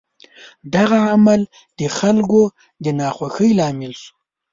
دغه عمل د خلکو د ناخوښۍ لامل شو.